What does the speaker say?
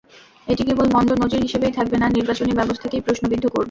এটি কেবল মন্দ নজির হিসেবেই থাকবে না, নির্বাচনী ব্যবস্থাকেই প্রশ্নবিদ্ধ করবে।